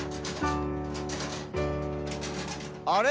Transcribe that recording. あれ？